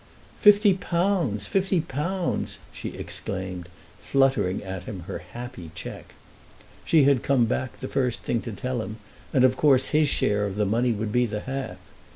"Fifty pounds! fifty pounds!" she exclaimed, fluttering at him her happy cheque. She had come back, the first thing, to tell him, and of course his share of the money would be the half.